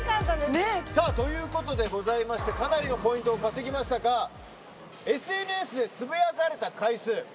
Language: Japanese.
さあということでございましてかなりのポイントを稼ぎましたがＳＮＳでつぶやかれた回数。